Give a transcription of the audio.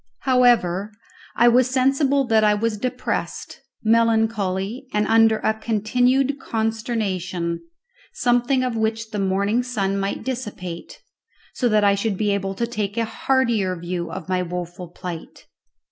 However, I was sensible that I was depressed, melancholy, and under a continued consternation, something of which the morning sun might dissipate, so that I should be able to take a heartier view of my woful plight.